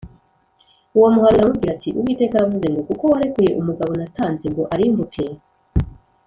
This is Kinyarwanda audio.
Uwo muhanuzi aramubwira ati “Uwiteka aravuze ngo ‘Kuko warekuye umugabo natanze ngo arimbuke